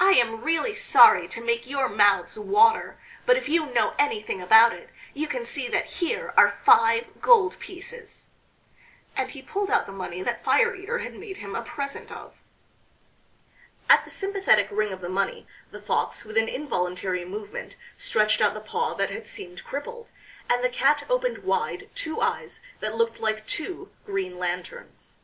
"I am really sorry to make your mouths water, but if you know anything about it, you can see that here are five gold pieces." And he pulled out the money that Fire eater had made him a present of. At the sympathetic ring of the money the Fox with an involuntary movement stretched out the paw that had seemed crippled, and the cat opened wide two eyes that looked like two green lanterns.